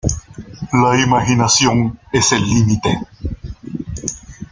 La imaginación es el límite.